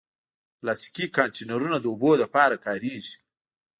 پلاستيکي کانټینرونه د اوبو لپاره کارېږي.